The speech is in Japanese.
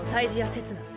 せつな。